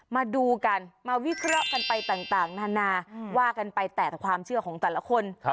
มาดูกันมาวิเคราะห์กันไปต่างนานาว่ากันไปแต่ความเชื่อของแต่ละคน